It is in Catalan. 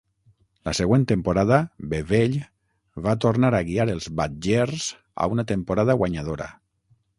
La següent temporada, Bevell va tornar a guiar els Badgers a una temporada guanyadora.